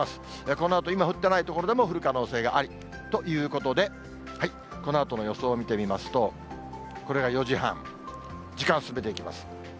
このあと今降っていない所でも降る可能性があるということで、このあとの予想を見てみますと、これが４時半、時間進めていきます。